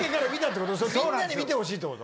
みんなに見てほしいってこと？